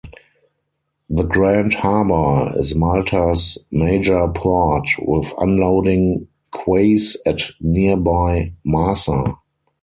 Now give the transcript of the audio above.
The Grand Harbour is Malta's major port, with unloading quays at nearby Marsa.